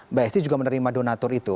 mbak esti juga menerima donatur itu